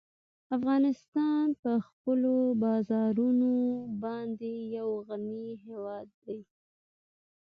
افغانستان په خپلو بارانونو باندې یو غني هېواد دی.